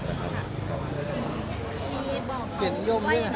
ก็รักที่สุดแล้ว